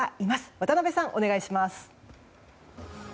渡辺さん、お願いします。